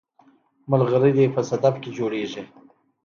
ملغلرې په صدف کې جوړیږي